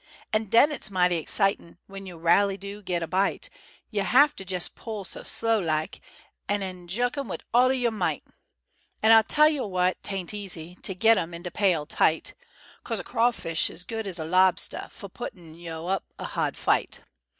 An' den it's mighty excitin' W'en yo' railly do get a bite; Yo' have to jes' pull so slow lak, An' 'en ju'k 'em wid all yo' might. An' ah tell yo' what, 'tain't easy To get 'em in de pail tight 'Cos a craw fish's good as a lobstuh Fo' puttin' yo' up a ha'd fight.